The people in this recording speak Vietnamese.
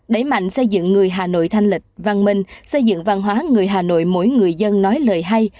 đẩy mạnh xây dựng người hà nội thanh lịch văn minh xây dựng văn hóa người hà nội mỗi người dân nói lời hay